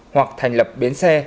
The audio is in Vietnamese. hoặc thành lập biến xe